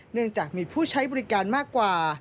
เนื่องจากมีผู้ใช้บริการมากกว่า